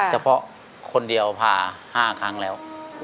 เฉพาะคนเดียวพา๕ครั้งแล้ว